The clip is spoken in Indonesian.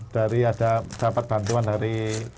dari ada dapat bantuan dari